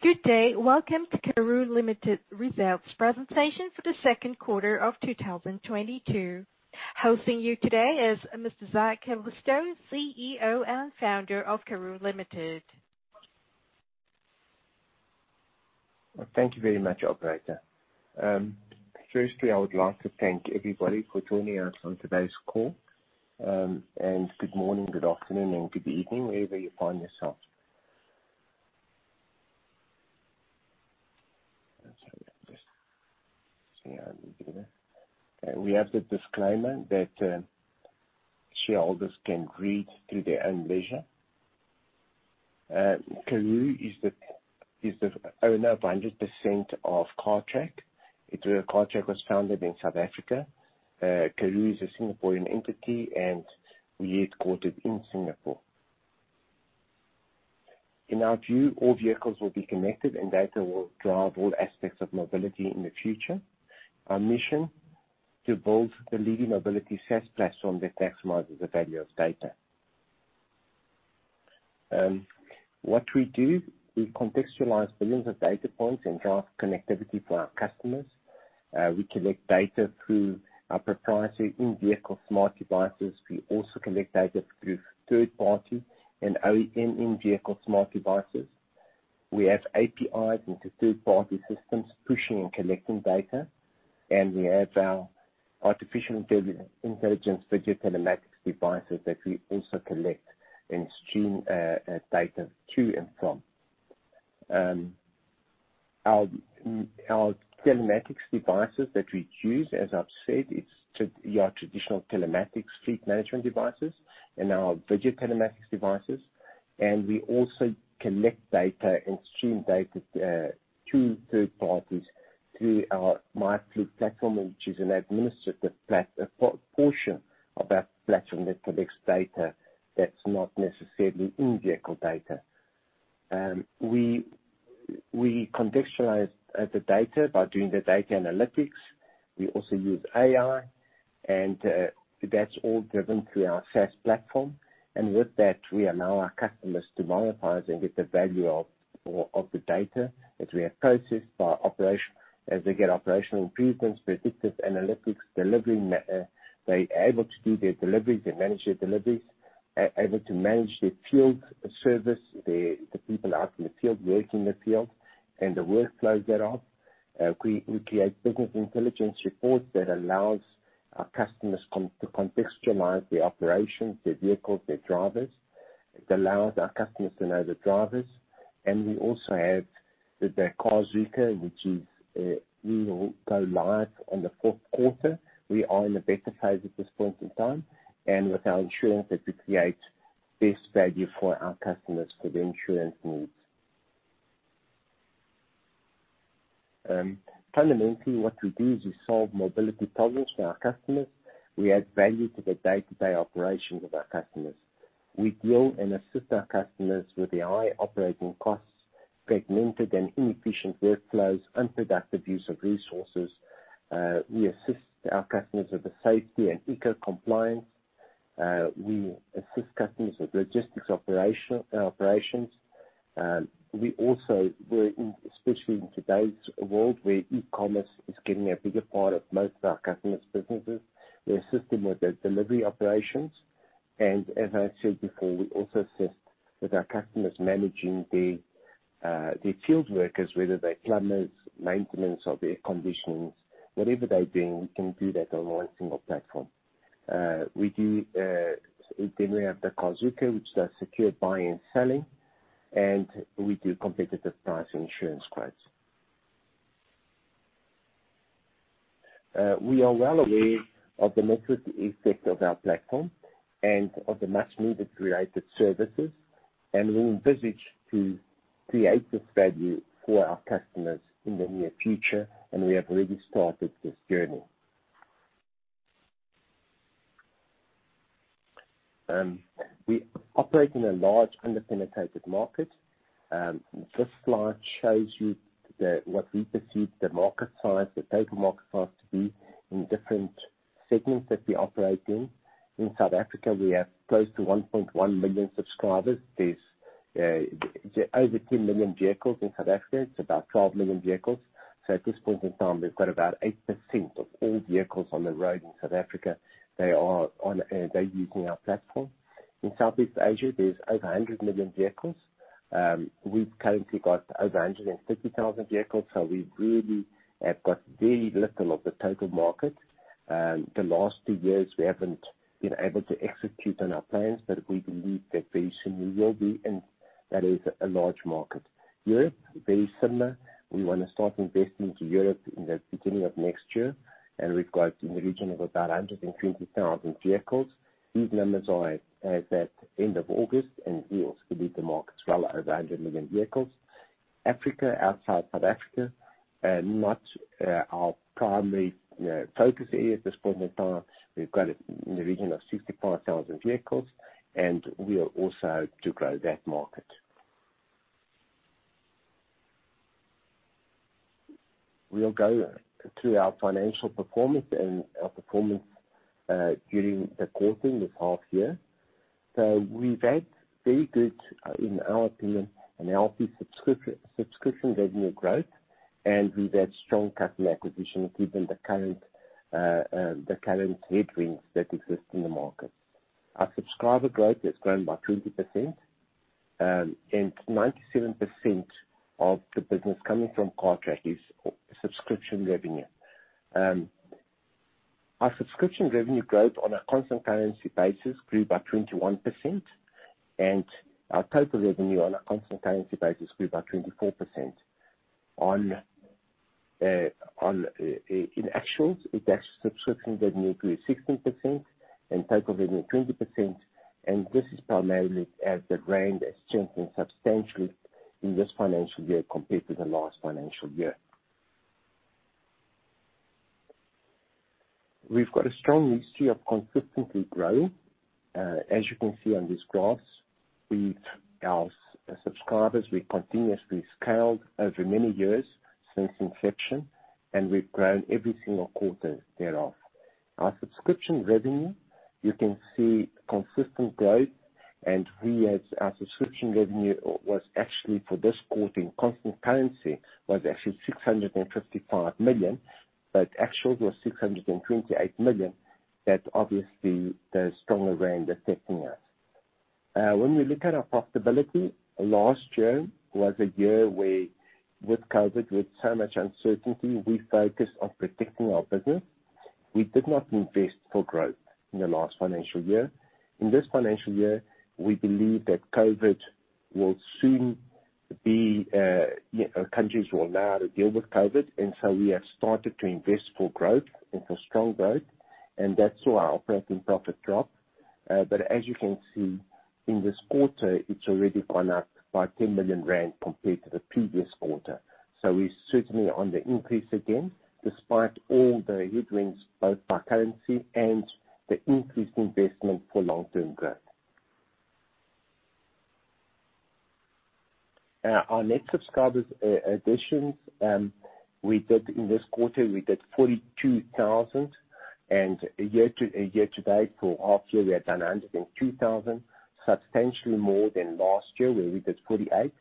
Good day. Welcome to Karooooo Ltd results presentation for the second quarter of 2022. Hosting you today is Mr. Zak Calisto, CEO and Founder of Karooooo Ltd. Thank you very much, operator. Firstly, I would like to thank everybody for joining us on today's call. Good morning, good afternoon, and good evening, wherever you find yourself. Sorry about this. See how we do that. We have the disclaimer that shareholders can read through their own leisure. Karooooo is the owner of 100% of Cartrack. Cartrack was founded in South Africa. Karooooo is a Singaporean entity, and we are headquartered in Singapore. In our view, all vehicles will be connected, and data will drive all aspects of mobility in the future. Our mission, to build the leading mobility SaaS platform that maximizes the value of data. What we do, we contextualize billions of data points and drive connectivity for our customers. We collect data through our proprietary in-vehicle smart devices. We also collect data through third-party and OEM in-vehicle smart devices. We have APIs into third-party systems, pushing and collecting data. We have our artificial intelligence video telematics devices that we also collect and stream data to and from. Our telematics devices that we use, as I've said, it's your traditional telematics fleet management devices and our video telematics devices. We also collect data and stream data to third parties through our MiFleet platform, which is an administrative portion of our platform that collects data that's not necessarily in-vehicle data. We contextualize the data by doing the data analytics. We also use AI. That's all driven through our SaaS platform. With that, we allow our customers to monetize and get the value of the data that we have processed via operation. As they get operational improvements, predictive analytics, they are able to do their deliveries and manage their deliveries, able to manage their field service, the people out in the field, work in the field, and the workflows thereof. We create business intelligence reports that allows our customers to contextualize their operations, their vehicles, their drivers. It allows our customers to know the drivers. We also have the Carzuka, which will go live in the fourth quarter. We are in the beta phase at this point in time. With our insurance that we create best value for our customers for their insurance needs. Fundamentally, what we do is we solve mobility problems for our customers. We add value to the day-to-day operations of our customers. We deal and assist our customers with their high operating costs, fragmented and inefficient workflows, unproductive use of resources. We assist our customers with the safety and eco-compliance. We assist customers with logistics operations. We also, especially in today's world, where e-commerce is getting a bigger part of most of our customers' businesses, we assist them with their delivery operations. As I said before, we also assist with our customers managing their field workers, whether they're plumbers, maintenance, or air conditionings. Whatever they're doing, we can do that on one single platform. We have the Carzuka, which does secure buying and selling, and we do competitive price insurance quotes. We are well aware of the mobility aspect of our platform and of the much-needed related services. We envisage to create this value for our customers in the near future, and we have already started this journey. We operate in a large underpenetrated market. This slide shows you what we perceive the market size, the total market size to be in different segments that we operate in. In South Africa, we have close to 1.1 million subscribers. There's over 10 million vehicles in South Africa. It's about 12 million vehicles. At this point in time, we've got about 8% of all vehicles on the road in South Africa. They're using our platform. In Southeast Asia, there's over 100 million vehicles. We've currently got over 150,000 vehicles, so we really have got very little of the total market. The last two years, we haven't been able to execute on our plans, but we believe that very soon we will be, and that is a large market. Europe, very similar. We want to start investing into Europe in the beginning of next year, and we've got in the region of about 120,000 vehicles. These numbers are as at end of August. We also believe the market's well over 100 million vehicles. Africa, outside South Africa, not our primary focus area at this point in time. We've got it in the region of 65,000 vehicles. We are also out to grow that market. We'll go through our financial performance and our performance during the quarter, this half year. We've had very good, in our opinion, and healthy subscription revenue growth. We've had strong customer acquisition, given the current headwinds that exist in the market. Our subscriber growth has grown by 20%. 97% of the business coming from Cartrack is subscription revenue. Our subscription revenue growth on a constant currency basis grew by 21%. Our total revenue on a constant currency basis grew by 24%. In actuals, the actual subscription revenue grew 16% and total revenue 20%. This is primarily as the rand has strengthened substantially in this financial year compared to the last financial year. We've got a strong history of consistently growing. As you can see on these graphs, our subscribers, we continuously scaled over many years since inception, and we've grown every single quarter thereof. Our subscription revenue, you can see consistent growth. Our subscription revenue was actually for this quarter, in constant currency, was actually 655 million, but actuals were 628 million. That is, obviously, the stronger rand affecting us. When we look at our profitability, last year was a year where, with COVID, with so much uncertainty, we focused on protecting our business. We did not invest for growth in the last financial year. In this financial year, we believe that countries will know how to deal with COVID. We have started to invest for growth, and for strong growth. That's why our operating profit dropped. As you can see, in this quarter, it's already gone up by 10 million rand compared to the previous quarter. We're certainly on the increase again, despite all the headwinds, both by currency and the increased investment for long-term growth. Our net subscribers additions, in this quarter, we did 42,000. Year to date for half year, we have done 102,000. Substantially more than last year, where we did 48,000.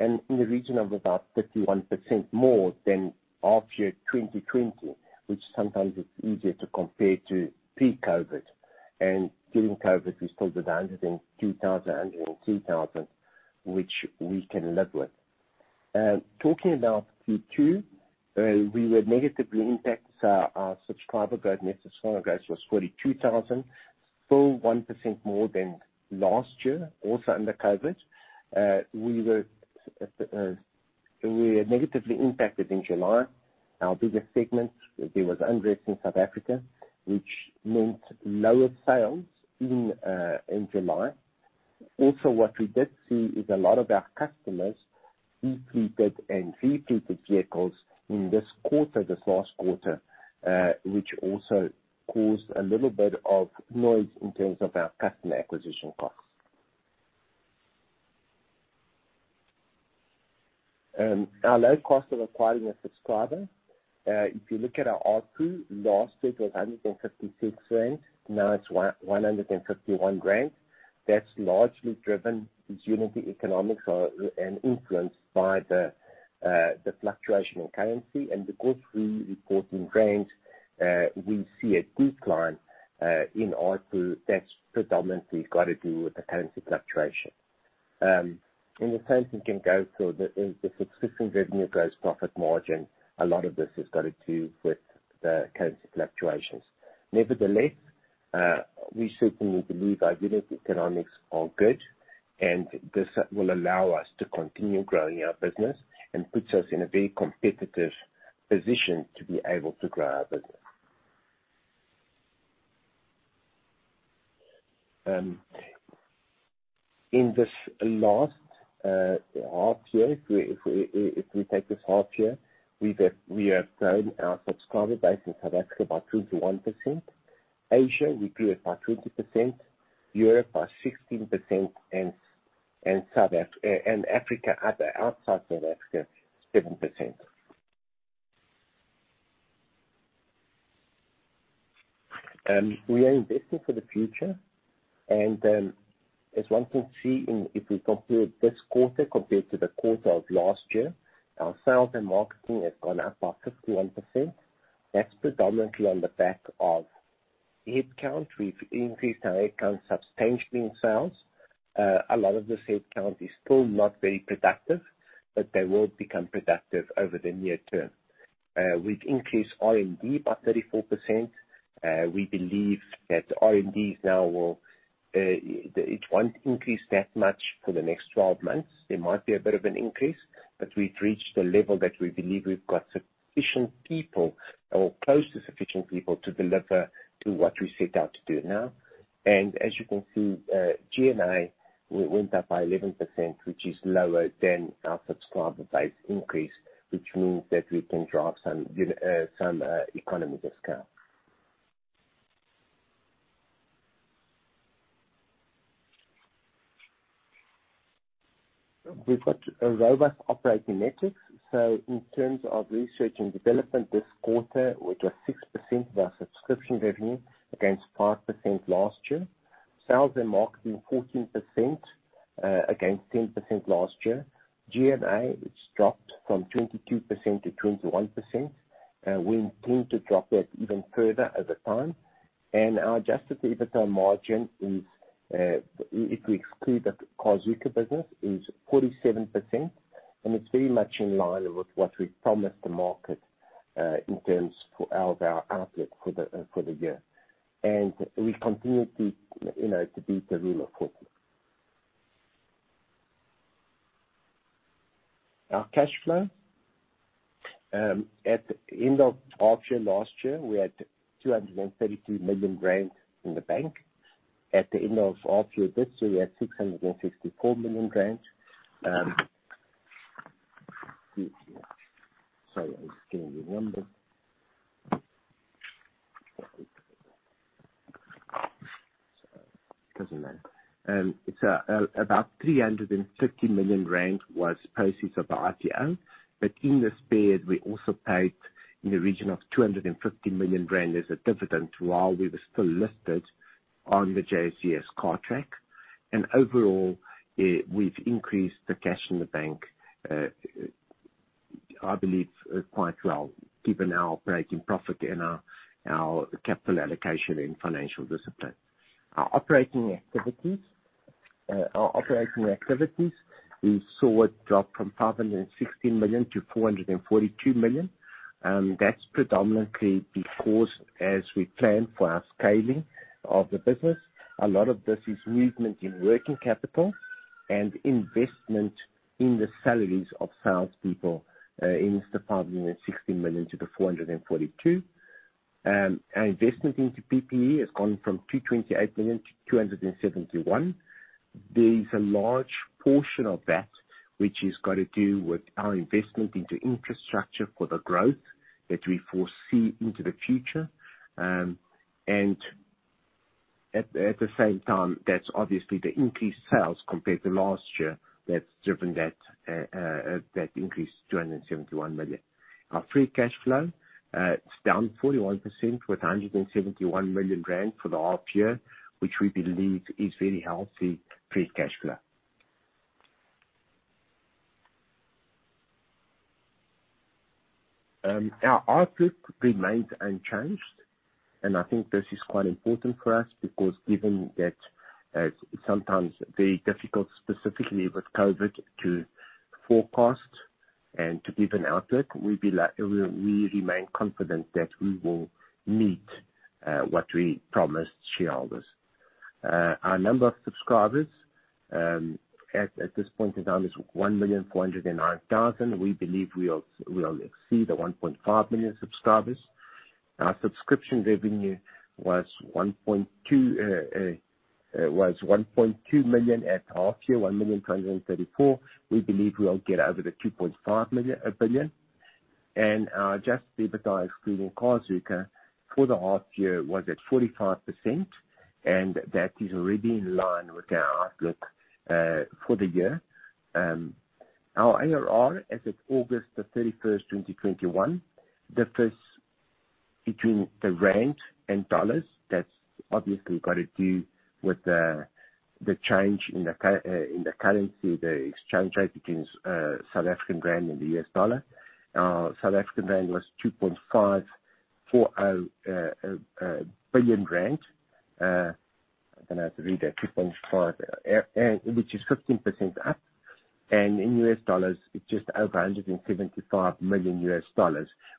In the region of about 31% more than half year 2020, which sometimes is easier to compare to pre-COVID. During COVID, we still did 102,000, which we can live with. Talking about Q2, we were negatively impacted. Our subscriber net grower growth was 42,000. Still 1% more than last year, also under COVID. We were negatively impacted in July. Our biggest segment, there was unrest in South Africa, which meant lower sales in July. What we did see is a lot of our customers defleeted and re-fleeted vehicles in this quarter, this last quarter, which also caused a little bit of noise in terms of our customer acquisition costs. Our low cost of acquiring a subscriber. If you look at our ARPU, last year it was 156 rand, now it's 151 rand. That's largely driven as unit economics are, and influenced by the fluctuation in currency. Because we report in ZAR, we see a decline in ARPU that's predominantly got to do with the currency fluctuation. We can go through the subscription revenue gross profit margin. A lot of this has got to do with the currency fluctuations. Nevertheless, we certainly believe our unit economics are good, and this will allow us to continue growing our business and puts us in a very competitive position to be able to grow our business. In this last half year, if we take this half year, we have grown our subscriber base in South Africa by 21%. Asia, we grew it by 20%, Europe by 16%, and Africa, outside South Africa, 7%. We are investing for the future. As one can see, if we compare this quarter compared to the quarter of last year, our sales and marketing has gone up by 51%. That's predominantly on the back of headcount. We've increased our headcount substantially in sales. A lot of this headcount is still not very productive, but they will become productive over the near term. We've increased R&D by 34%. We believe that R&D now, it won't increase that much for the next 12 months. There might be a bit of an increase, but we've reached the level that we believe we've got sufficient people, or close to sufficient people, to deliver to what we set out to do now. As you can see, G&A went up by 11%, which is lower than our subscriber base increase, which means that we can drive some economies of scale. We've got a robust operating metric. In terms of research and development this quarter, which was 6% of our subscription revenue against 5% last year. Sales and marketing, 14% against 10% last year. G&A, it's dropped from 22% to 21%, and we intend to drop that even further over time. Our adjusted EBITDA margin, if we exclude the Carzuka business, is 47%, and it's very much in line with what we promised the market in terms of our outlook for the year. We continue to beat the rule of 40. Our cash flow. At the end of half year last year, we had 233 million rand in the bank. At the end of half year this year, we had 664 million rand. Sorry, I'm just getting the number. It doesn't matter. About 350 million rand was proceeds of the IPO, but in this period, we also paid in the region of 250 million rand as a dividend while we were still listed on the JSE's Cartrack. Overall, we've increased the cash in the bank, I believe, quite well, given our operating profit and our capital allocation and financial discipline. Our operating activities, we saw it drop from 560 million to 442 million. That's predominantly because as we plan for our scaling of the business, a lot of this is movement in working capital and investment in the salaries of salespeople in the 560 million to the 442 million. Our investment into PPE has gone from 228 million to 271 million. There is a large portion of that which has got to do with our investment into infrastructure for the growth that we foresee into the future. At the same time, that's obviously the increased sales compared to last year that's driven that increase to 271 million. Our free cash flow, it's down 41% with 171 million rand for the half year, which we believe is very healthy free cash flow. Our outlook remains unchanged, and I think this is quite important for us because given that it's sometimes very difficult, specifically with COVID, to forecast and to give an outlook. We remain confident that we will meet what we promised shareholders. Our number of subscribers at this point in time is 1,409,000. We believe we will exceed the 1.5 million subscribers. Our subscription revenue was 1.2 million at half year, 1,334,000. We believe we will get over 2.5 billion. Our adjusted EBITDA, excluding Carzuka, for the half year was at 45%, and that is already in line with our outlook for the year. Our ARR as of August 31st, 2021, differs between the rand and dollars. That's obviously got to do with the change in the currency, the exchange rate between South African rand and the U.S. dollar. Our South African rand was 2.540 billion rand. I don't know how to read that, 2.5 million, which is 15% up. In US dollars, it's just over $175 million,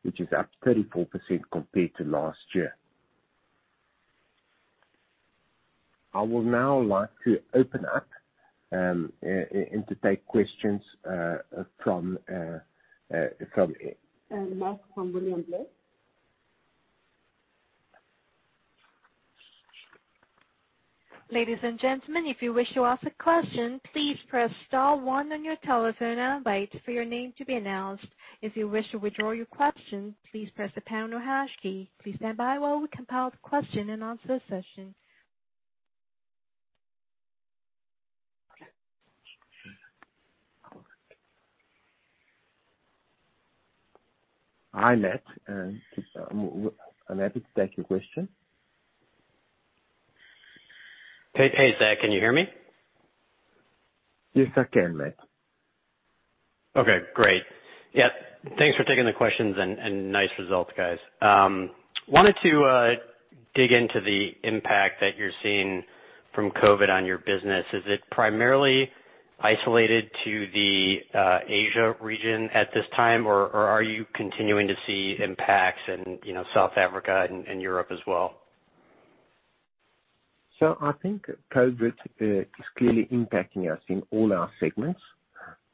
which is up 34% compared to last year. I will now like to open up and to take questions. Next from. From Matt of William Blair. Ladies and gentlemen, if you wish to ask a question, please press star one on your telephone and wait for your name to be announced. If you wish to withdraw your question, please press the pound or hash key. Please stand by while we compile the question and answer session. Hi, Matt. I'm happy to take your question. Hey, Zak, can you hear me? Yes, I can, Matt. Okay, great. Yeah, thanks for taking the questions, and nice results, guys. I wanted to dig into the impact that you're seeing from COVID on your business. Is it primarily isolated to the Asia region at this time, or are you continuing to see impacts in South Africa and Europe as well? I think COVID is clearly impacting us in all our segments.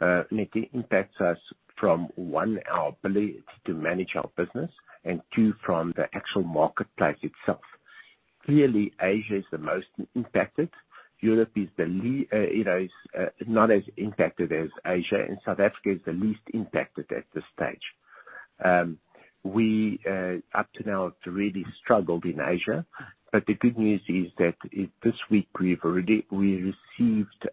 It impacts us from, one, our ability to manage our business, and two, from the actual marketplace itself. Clearly, Asia is the most impacted. Europe is not as impacted as Asia, and South Africa is the least impacted at this stage. We up to now have really struggled in Asia. The good news is that this week we received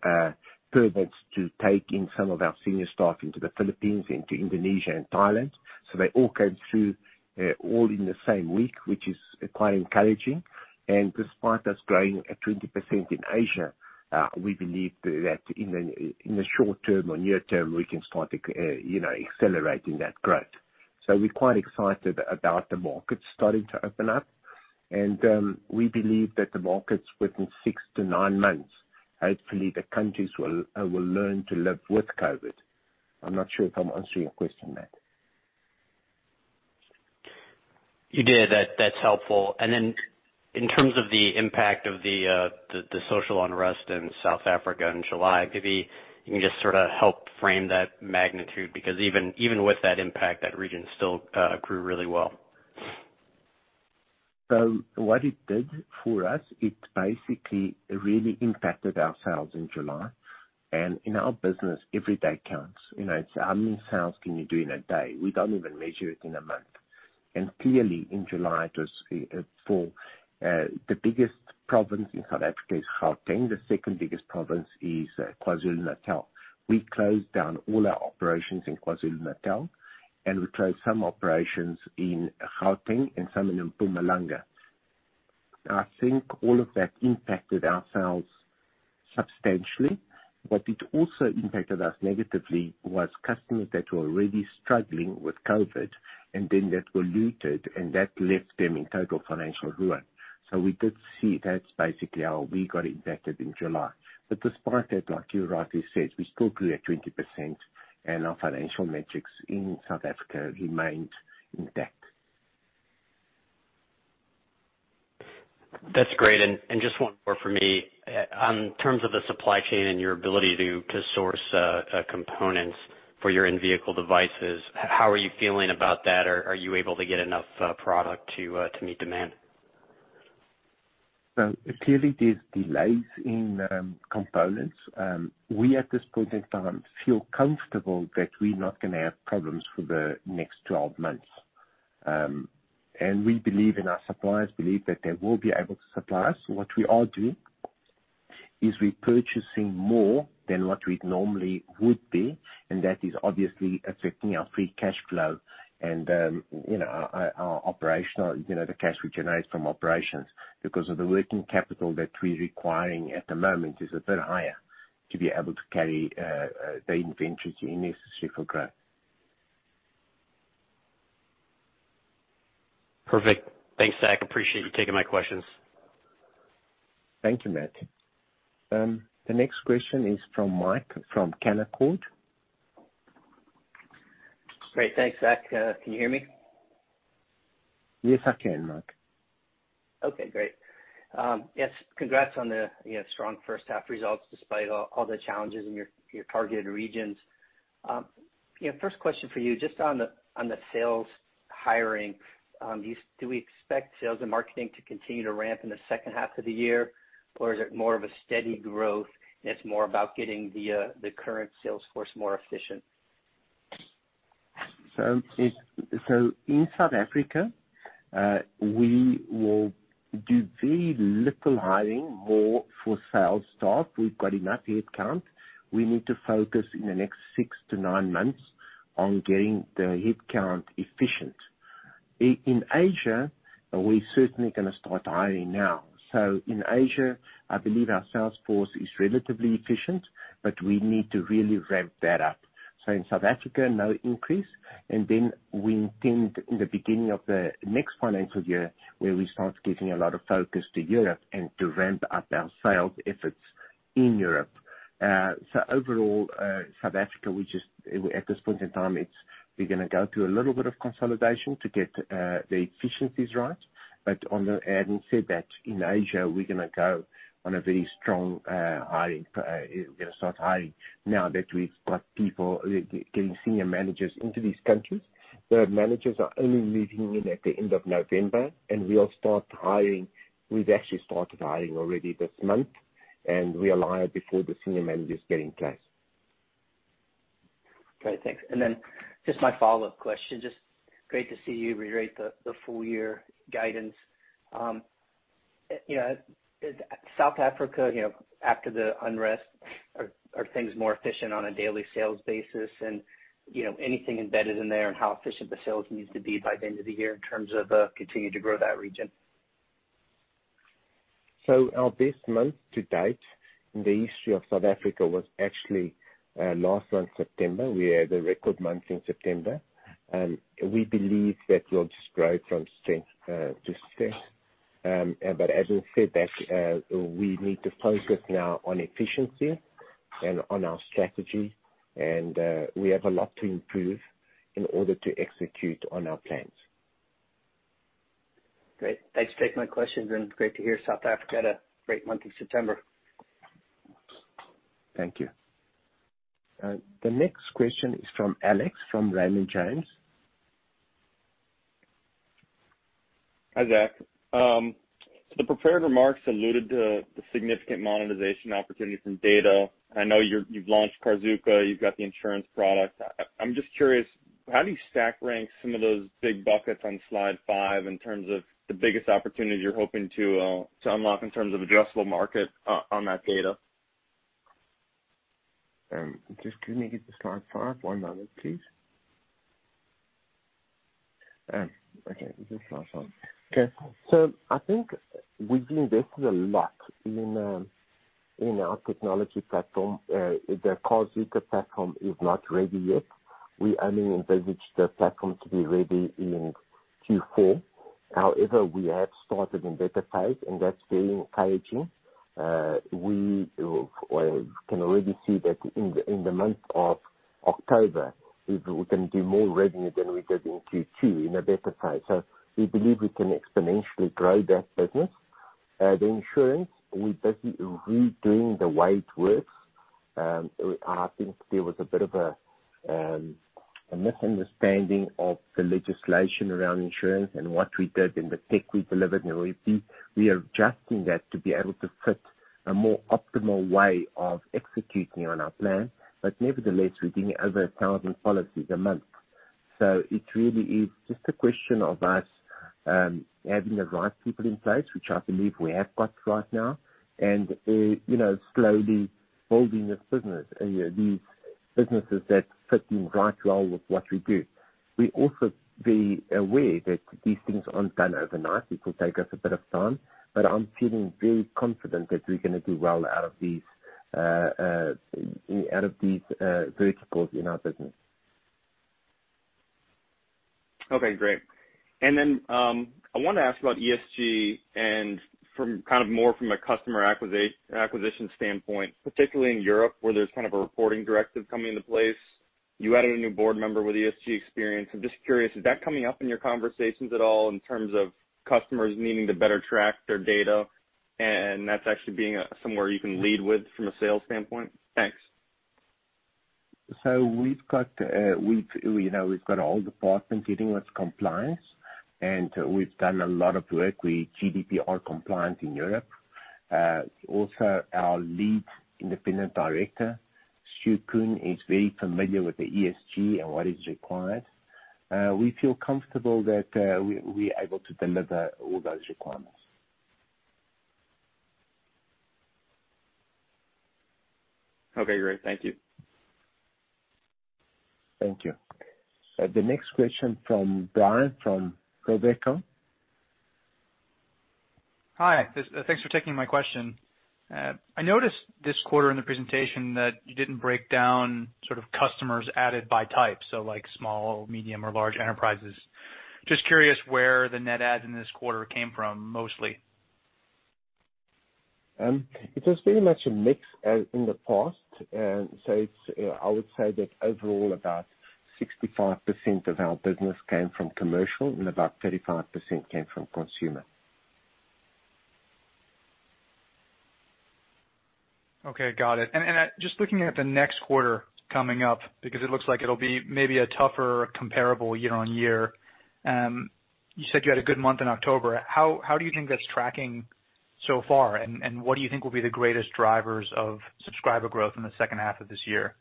permits to take in some of our senior staff into the Philippines, into Indonesia, and Thailand. They all came through all in the same week, which is quite encouraging. Despite us growing at 20% in Asia, we believe that in the short term or near term, we can start accelerating that growth. We're quite excited about the markets starting to open up. We believe that the markets within six to nine months, hopefully the countries will learn to live with COVID. I'm not sure if I'm answering your question, Matt. You did. That's helpful. In terms of the impact of the social unrest in South Africa in July, maybe you can just sort of help frame that magnitude, because even with that impact, that region still grew really well. What it did for us, it basically really impacted our sales in July. In our business, every day counts. It's how many sales can you do in a day. We don't even measure it in a month. Clearly, in July, the biggest province in South Africa is Gauteng. The second biggest province is KwaZulu-Natal. We closed down all our operations in KwaZulu-Natal, and we closed some operations in Gauteng and some in Mpumalanga. I think all of that impacted our sales substantially. What it also impacted us negatively was customers that were already struggling with COVID, and then that were looted, and that left them in total financial ruin. We did see that's basically how we got impacted in July. Despite that, like you rightly said, we still grew at 20%, and our financial metrics in South Africa remained intact. That's great. Just one more from me. In terms of the supply chain and your ability to source components for your in-vehicle devices, how are you feeling about that? Are you able to get enough product to meet demand? Clearly, there's delays in components. We, at this point in time, feel comfortable that we're not going to have problems for the next 12 months. We believe in our suppliers, believe that they will be able to supply us. What we are doing is we're purchasing more than what we normally would be, and that is obviously affecting our free cash flow and the cash we generate from operations because of the working capital that we're requiring at the moment is a bit higher to be able to carry the inventory necessary for growth. Perfect. Thanks, Zak. Appreciate you taking my questions. Thank you, Matt. The next question is from Mike from Canaccord. Great. Thanks, Zak. Can you hear me? Yes, I can, Mike. Okay, great. Yes, congrats on the strong first half results despite all the challenges in your targeted regions. First question for you, just on the sales hiring. Do we expect sales and marketing to continue to ramp in the second half of the year, or is it more of a steady growth and it's more about getting the current sales force more efficient? In South Africa, we will do very little hiring more for sales staff. We've got enough headcount. We need to focus in the next six to nine months on getting the headcount efficient. In Asia, we're certainly going to start hiring now. In Asia, I believe our sales force is relatively efficient, but we need to really ramp that up. In South Africa, no increase, and then we intend in the beginning of the next financial year, where we start giving a lot of focus to Europe and to ramp up our sales efforts in Europe. Overall, South Africa, at this point in time, we're going to go through a little bit of consolidation to get the efficiencies right. Having said that, in Asia, we're going to go on a very strong hiring. We're going to start hiring now that we've got people, getting senior managers into these countries. The managers are only moving in at the end of November, and we'll start hiring. We've actually started hiring already this month, and we are hired before the senior managers get in place. Great, thanks. Just my follow-up question, just great to see you reiterate the full-year guidance. South Africa, after the unrest, are things more efficient on a daily sales basis? Anything embedded in there on how efficient the sales needs to be by the end of the year in terms of continuing to grow that region? Our best month to date in the history of South Africa was actually last month, September. We had a record month in September. We believe that we'll just grow from strength to strength. Having said that, we need to focus now on efficiency and on our strategy, and we have a lot to improve in order to execute on our plans. Great. Thanks for taking my questions and great to hear South Africa had a great month in September. Thank you. The next question is from Alex, from Raymond James. Hi, Zak. The prepared remarks alluded to the significant monetization opportunity from data. I know you've launched Karooooo, you've got the insurance product. I'm just curious, how do you stack rank some of those big buckets on slide five in terms of the biggest opportunity you're hoping to unlock in terms of addressable market on that data? Just give me slide five. One moment please. Okay, this is slide five. Okay. I think we've invested a lot in our technology platform. The Carzuka platform is not ready yet. We only envisage the platform to be ready in Q4. However, we have started in Beta phase, and that's very encouraging. We can already see that in the month of October, we can do more revenue than we did in Q2 in a Beta phase. We believe we can exponentially grow that business. The insurance, we're basically redoing the way it works. I think there was a bit of a misunderstanding of the legislation around insurance and what we did and the tech we delivered, and we are adjusting that to be able to fit a more optimal way of executing on our plan. Nevertheless, we're doing over 1,000 policies a month. It really is just a question of us having the right people in place, which I believe we have got right now, and slowly building this business, these businesses that fit in right well with what we do. We're also very aware that these things aren't done overnight. It will take us a bit of time, but I'm feeling very confident that we're gonna do well out of these verticals in our business. Okay, great. I want to ask about ESG and more from a customer acquisition standpoint, particularly in Europe, where there's kind of a reporting directive coming into place. You added a new board member with ESG experience. I'm just curious, is that coming up in your conversations at all in terms of customers needing to better track their data, and that's actually being somewhere you can lead with from a sales standpoint? Thanks. We've got a whole department dealing with compliance, and we've done a lot of work. We're GDPR compliant in Europe. Our lead independent director, Siew Koon, is very familiar with the ESG and what is required. We feel comfortable that we're able to deliver all those requirements. Okay, great. Thank you. Thank you. The next question from Brian from Robeco. Hi. Thanks for taking my question. I noticed this quarter in the presentation that you didn't break down sort of customers added by type, so like small, medium, or large enterprises. Just curious where the net adds in this quarter came from mostly. It was very much a mix as in the past. I would say that overall, about 65% of our business came from commercial and about 35% came from consumer. Okay, got it. Just looking at the next quarter coming up, because it looks like it'll be maybe a tougher comparable year-on-year. You said you had a good month in October. How do you think that's tracking so far, and what do you think will be the greatest drivers of subscriber growth in the second half of this year?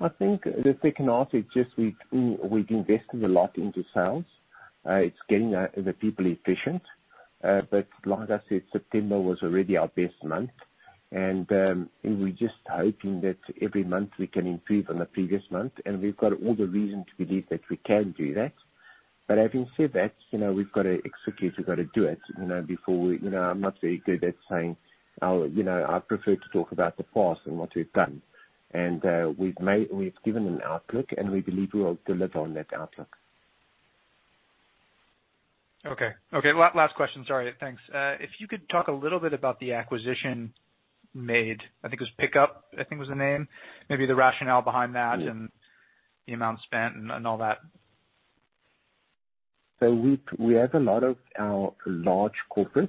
I think the second half is just we've invested a lot into sales. It's getting the people efficient. Like I said, September was already our best month, and we're just hoping that every month we can improve on the previous month, and we've got all the reason to believe that we can do that. Having said that, we've got to execute, we've got to do it. I'm not very good at saying I prefer to talk about the past and what we've done. We've given an outlook, and we believe we will deliver on that outlook. Okay. Last question. Sorry. Thanks. If you could talk a little bit about the acquisition made, I think it was Picup, I think was the name. Maybe the rationale behind that and the amount spent and all that. We have a lot of our large corporates,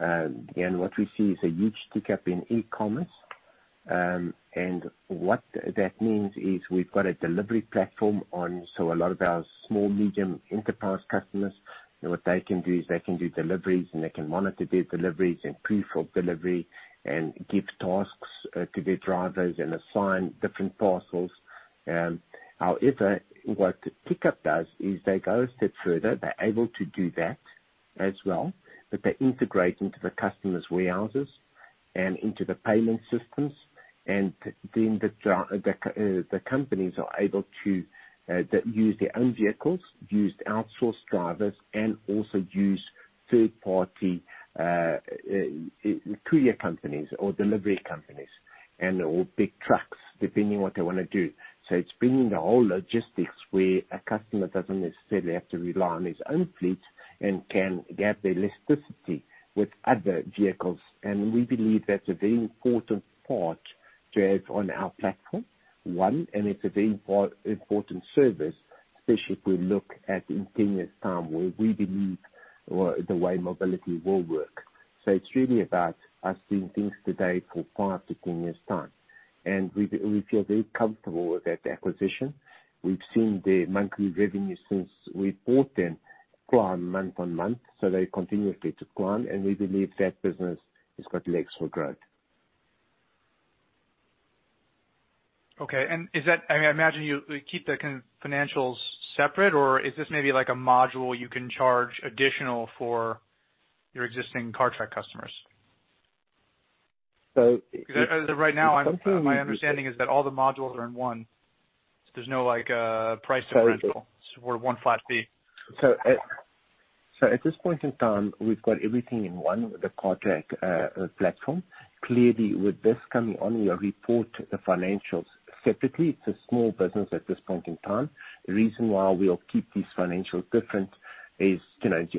and what we see is a huge tick-up in e-commerce. What that means is we've got a delivery platform on, so a lot of our small, medium enterprise customers, what they can do is they can do deliveries, and they can monitor their deliveries and proof of delivery and give tasks to their drivers and assign different parcels. However, what Picup does is they go a step further. They're able to do that as well, but they integrate into the customer's warehouses and into the payment systems. Then the companies are able to use their own vehicles, use outsourced drivers, and also use third-party courier companies or delivery companies or big trucks, depending what they want to do. It's bringing the whole logistics where a customer doesn't necessarily have to rely on his own fleet and can get the elasticity with other vehicles. We believe that's a very important part to have on our platform, one, and it's a very important service, especially if we look at in 10 years time, where we believe the way mobility will work. It's really about us doing things today for 5-10 years' time. We feel very comfortable with that acquisition. We've seen their monthly revenue since we bought them climb month on month, so they continuously took on, and we believe that business has got legs for growth. Okay. I imagine you keep the financials separate, or is this maybe like a module you can charge additional for your existing Cartrack customers? So. As of right now, my understanding is that all the modules are in one. There's no price differential. It's worth one flat fee. At this point in time, we've got everything in one, the Cartrack platform. Clearly, with this coming on, we report the financials separately. It's a small business at this point in time. The reason why we'll keep these financials different is,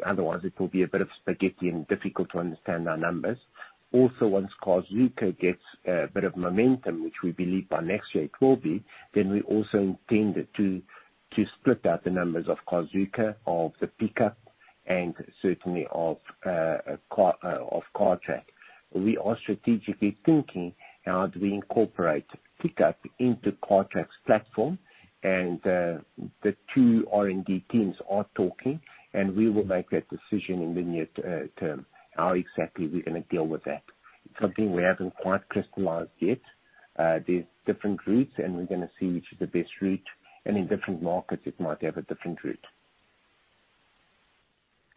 otherwise it will be a bit of spaghetti and difficult to understand our numbers. Once Carzuka gets a bit of momentum, which we believe by next year it will be, then we also intended to split out the numbers of Carzuka, of the Picup, and certainly of Cartrack. We are strategically thinking, how do we incorporate Picup into Cartrack's platform, and the two R&D teams are talking, and we will make that decision in the near term, how exactly we're going to deal with that. It's something we haven't quite crystallized yet. There's different routes, and we're going to see which is the best route, and in different markets, it might have a different route.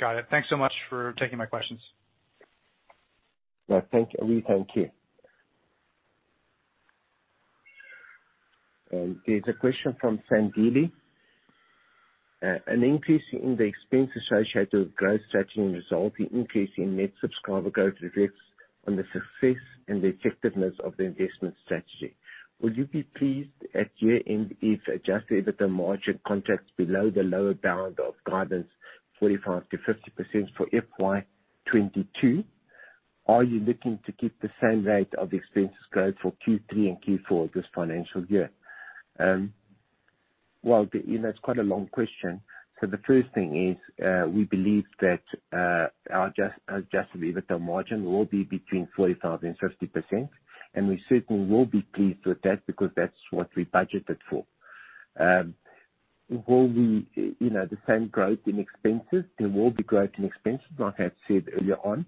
Got it. Thanks so much for taking my questions. We thank you. There's a question from Sandile. An increase in the expense associated with growth strategy and resulting increase in net subscriber growth reflects on the success and the effectiveness of the investment strategy. Would you be pleased at year-end if adjusted EBITDA margin contracts below the lower bound of guidance 45%-50% for FY 2022? Are you looking to keep the same rate of expenses growth for Q3 and Q4 this financial year? That's quite a long question. The first thing is, we believe that our adjusted EBITDA margin will be between 45% and 50%, and we certainly will be pleased with that because that's what we budgeted for. Will we, the same growth in expenses? There will be growth in expenses, like I said earlier on.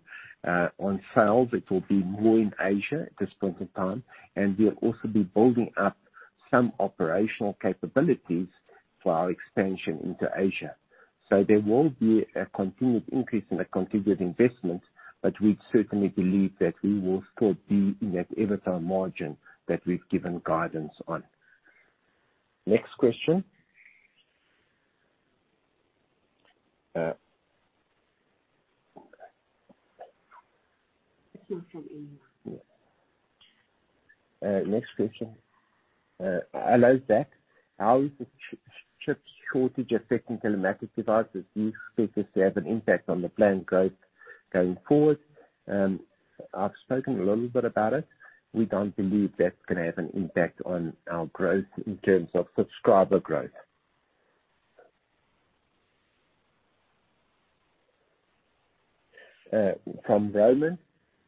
On sales, it will be more in Asia at this point in time. We'll also be building up some operational capabilities for our expansion into Asia. There will be a continued increase and a continued investment, but we certainly believe that we will still be in that EBITDA margin that we've given guidance on. Next question. A question from Amy. Next question. Hello, Zak. How is the chip shortage affecting telematics devices? Do you expect this to have an impact on the planned growth going forward? I've spoken a little bit about it. We don't believe that's going to have an impact on our growth in terms of subscriber growth. From Roman,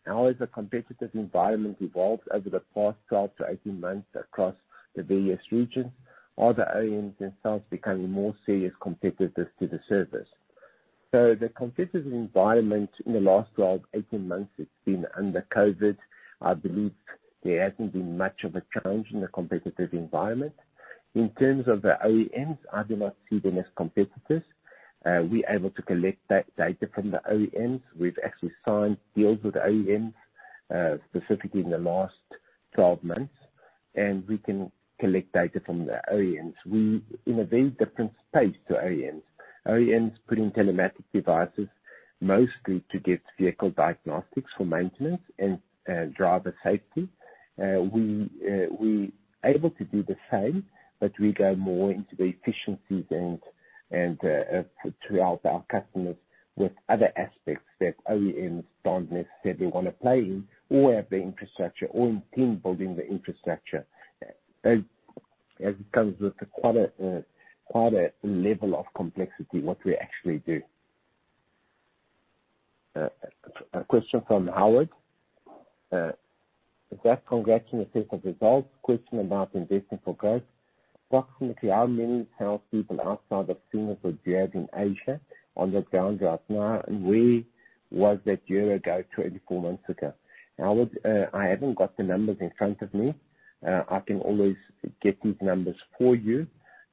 how has the competitive environment evolved over the past 12-18 months across the various regions? Are the OEMs themselves becoming more serious competitors to the service? The competitive environment in the last 12, 18 months, it's been under COVID. I believe there hasn't been much of a change in the competitive environment. In terms of the OEMs, I do not see them as competitors. We are able to collect data from the OEMs. We've actually signed deals with OEMs, specifically in the last 12 months, and we can collect data from the OEMs. We in a very different space to OEMs. OEMs put in telematic devices mostly to get vehicle diagnostics for maintenance and driver safety. We are able to do the same, but we go more into the efficiencies and to help our customers with other aspects that OEMs don't necessarily want to play in or have the infrastructure or intend building the infrastructure. As it comes with quite a level of complexity, what we actually do. A question from Howard. Zak, congratulations on the results. Question about investment for growth. Approximately how many salespeople outside of seniors was there in Asia on the ground right now, and where was that year ago, 24 months ago? Howard, I haven't got the numbers in front of me. I can always get these numbers for you.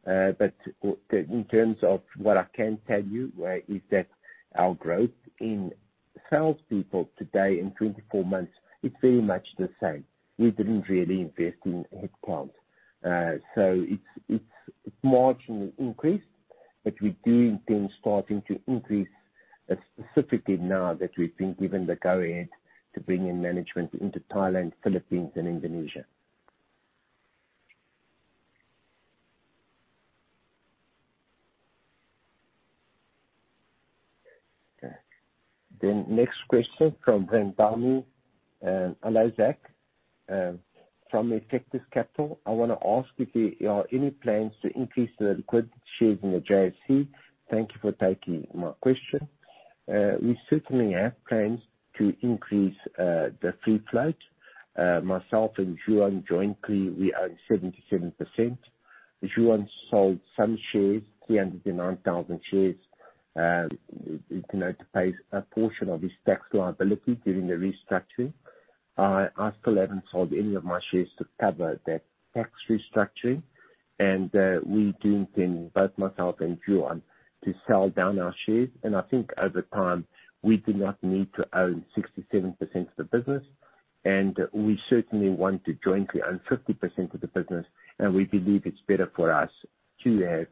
In terms of what I can tell you is that our growth in salespeople today in 24 months, it's very much the same. We didn't really invest in headcount. It's marginally increased, but we do intend starting to increase specifically now that we've been given the go-ahead to bring in management into Thailand, Philippines, and Indonesia. Okay. Next question from Brent Dami. Hello, Zak from Effectus Capital. I want to ask if there are any plans to increase the liquid shares in the JSE. Thank you for taking my question. We certainly have plans to increase the free float. Myself and Juan jointly, we own 77%. Juan sold some shares, 309,000 shares, to pay a portion of his tax liability during the restructuring. I still haven't sold any of my shares to cover that tax restructuring. We do intend, both myself and Juan, to sell down our shares. I think over time, we do not need to own 67% of the business, and we certainly want to jointly own 50% of the business. We believe it's better for us to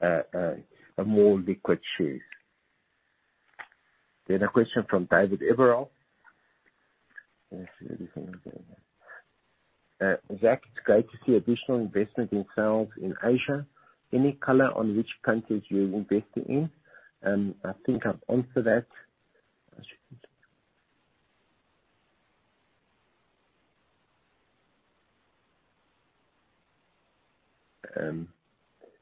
have more liquid shares. A question from David Everall. Let me see. "Zak, it's great to see additional investment in sales in Asia. Any color on which countries you're investing in?" I think I've answered that.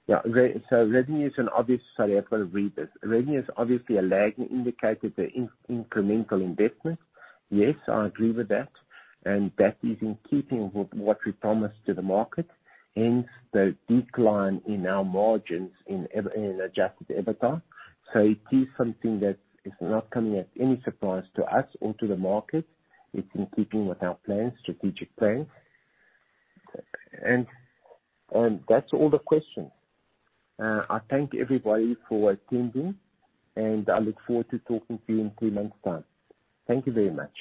Sorry, I've got to read this. "Revenue is obviously a lagging indicator to incremental investment." Yes, I agree with that. That is in keeping with what we promised to the market, hence the decline in our margins in adjusted EBITDA. It is something that is not coming as any surprise to us or to the market. It's in keeping with our strategic plans. That's all the questions. I thank everybody for attending, and I look forward to talking to you in three months' time. Thank you very much.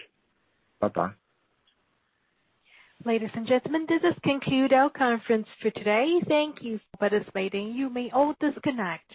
Bye-bye. Ladies and gentlemen, this does conclude our conference for today. Thank you for participating. You may all disconnect.